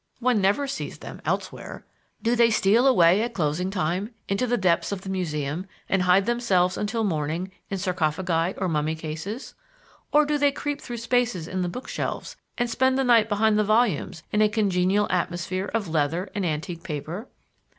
One never sees them elsewhere. Do they steal away at closing time into the depths of the Museum and hide themselves until morning in sarcophagi or mummy cases? Or do they creep through spaces in the book shelves and spend the night behind the volumes in a congenial atmosphere of leather and antique paper?